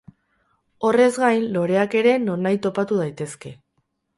Horrez gain, loreak ere nonahi topatu daitezke.